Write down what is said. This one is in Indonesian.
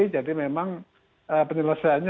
jadi memang penyelesaiannya